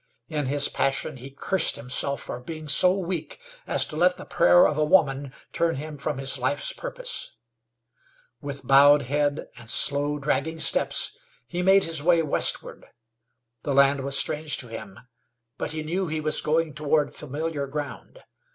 In his passion he cursed himself for being so weak as to let the prayer of a woman turn him from his life's purpose. With bowed head and slow, dragging steps he made his way westward. The land was strange to him, but he knew he was going toward familiar ground.